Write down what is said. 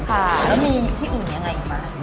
ค่ะแล้วมีที่อื่นยังไงกัน